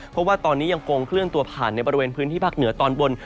เพราะว่าตอนนี้ยังคงเคลื่อนตัวผ่านในบริเวณพื้นที่ภาคเหนือตอนบน